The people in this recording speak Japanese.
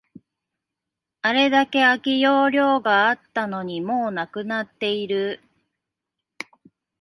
あれだけ空き容量があったのに、もうなくなっている